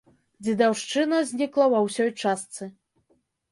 Дзедаўшчына знікла ва ўсёй частцы.